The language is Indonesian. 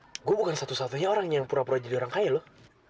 oh gue bukan satu satunya orang yang pura pura jadi orang kaya loh